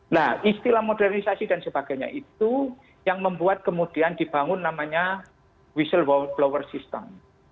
nah istilah modernisasi dan sebagainya itu yang membuat kemudian dibangun namanya whistleblower system